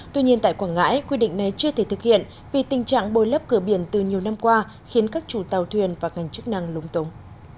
tuy nhiên tại quảng ngãi quy định này chưa thể thực hiện vì tình trạng bôi lấp cửa biển từ nhiều năm qua khiến các chủ tàu thuyền và ngành chức năng lúng tống